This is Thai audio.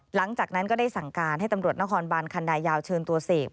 หลังจากนั้นก็ได้สั่งการให้ตำรวจนครบานคันดายาวเชิญตัวเสก